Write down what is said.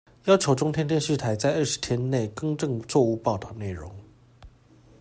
要求中天電視台在二十天內更正錯誤報導內容